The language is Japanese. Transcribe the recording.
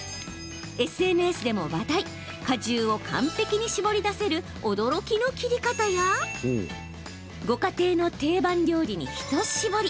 ＳＮＳでも話題、果汁を完璧に搾り出せる驚きの切り方やご家庭の定番料理に一搾り。